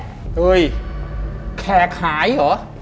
เฮ้ยแขกหายเหรอ